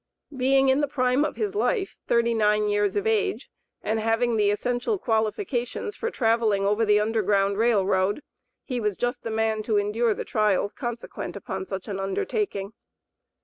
Being in the prime of his life (thirty nine years of age) and having the essential qualifications for traveling over the Underground Rail Road, he was just the man to endure the trials consequent upon such an undertaking.